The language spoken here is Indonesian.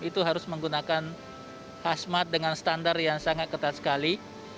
itu harus menggunakan khasmat dengan standar yang sangat ketat sekali